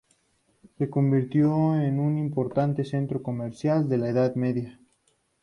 Se convirtió en un importante centro comercial en la Edad Media.